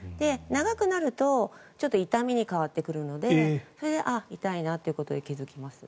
長くなるとちょっと痛みに変わってくるのでそれで、あ、痛いなということでわかります。